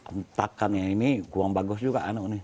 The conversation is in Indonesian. entahkan ini kurang bagus juga anak ini